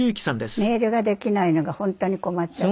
メールができないのが本当に困っちゃう。